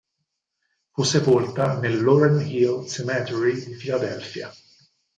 Fu sepolta nel "Laurel Hill Cemetery" di Filadelfia.